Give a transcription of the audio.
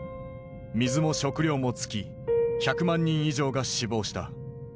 水も食料も尽き１００万人以上が死亡した。